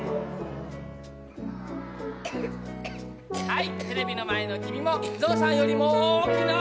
はいテレビのまえのきみもぞうさんよりもおおきな